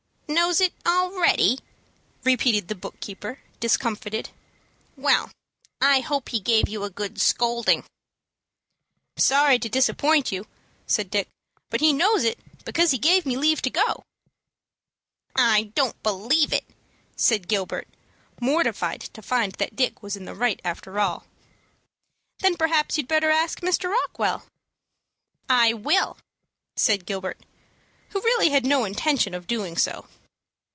"Knows it already," repeated the book keeper, discomfited. "Well, I hope he gave you a good scolding." "I am sorry to disappoint you," said Dick; "but he knows it, because he gave me leave to go." "I don't believe it," said Gilbert, mortified to find that Dick was in the right after all. "Then perhaps you'd better ask Mr. Rockwell." "I will," said Gilbert, who really had no intention of doing so.